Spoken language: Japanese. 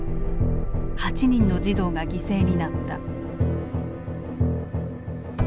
８人の児童が犠牲になった。